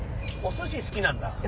おすし好きなんだ？